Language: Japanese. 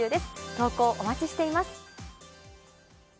投稿お待ちしています。